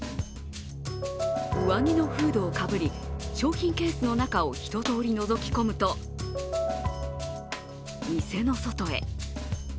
上着のフードをかぶり商品ケースの中を一とおりのぞき込むと店の外へ。